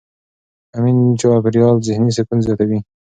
امن چاپېریال ذهني سکون زیاتوي.